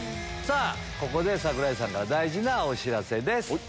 ここで桜井さんから大事なお知らせです。